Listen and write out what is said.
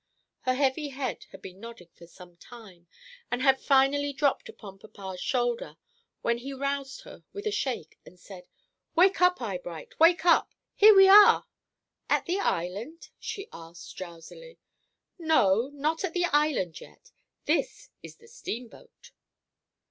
Her heavy head had been nodding for some time, and had finally dropped upon papa's shoulder, when he roused her with a shake and said, "Wake up, Eyebright, wake up! Here we are." "At the Island?" she asked, drowsily. "No, not at the Island yet. This is the steamboat."